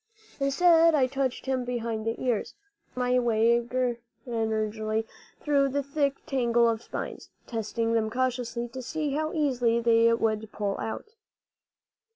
Instead I touched him behind the ears, feeling my way gingerly through the thick tangle of spines, testing them cautiously to see how easily they would pull out.